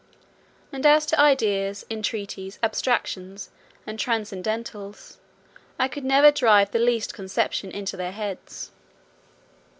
And as to ideas, entities, abstractions, and transcendentals, I could never drive the least conception into their heads.